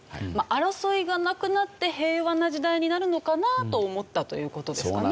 争いがなくなって平和な時代になるのかなと思ったという事ですかね？